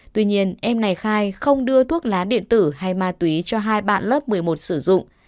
tuy nhiên em này khai không đưa thuốc lá điện tử hay ma túy cho hai bạn lớp một mươi một sử dụng